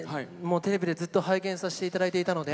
テレビでずっと拝見させていただいていたので。